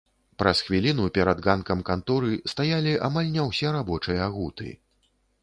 Праз хвіліну перад ганкам канторы стаялі амаль не ўсе рабочыя гуты.